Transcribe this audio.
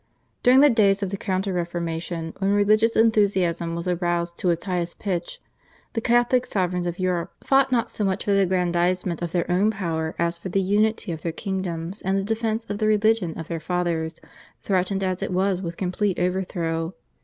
During the days of the Counter Reformation, when religious enthusiasm was aroused to its highest pitch, the Catholic sovereigns of Europe fought not so much for the aggrandisement of their own power as for the unity of their kingdoms and the defence of the religion of their fathers, threatened as it was with complete overthrow.